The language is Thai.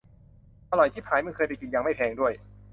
อร่อยชิบหาย มึงเคยไปกินยัง ไม่แพงด้วย